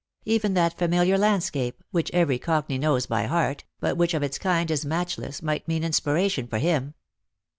Even that familiar landscape, which every cockney knows by heart, but which of its kind is matchless, might mean inspiration for him.